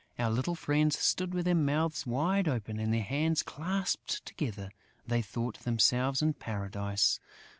Our little friends stood with their mouths wide open and their hands clasped together: they thought themselves in paradise.